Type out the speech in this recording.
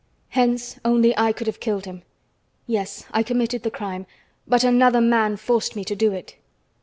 Hence, only I could have killed him. Yes, I committed the crime, but another man forced me to do it."